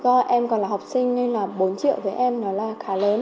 do em còn là học sinh nên là bốn triệu với em nó là khá lớn